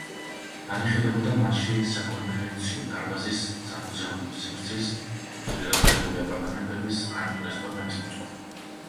განიხილებოდა მასში საკონფერენციო დარბაზის, სამუზეუმო სივრცის, ძვირადღირებული აპარტამენტების ან რესტორნების მოწყობა.